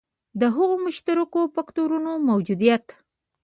د هغو مشترکو فکټورونو موجودیت.